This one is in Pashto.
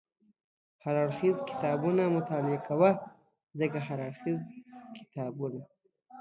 هر اړخیز کتابونه مطالعه کوه، ځکه هر اړخیز کتابونه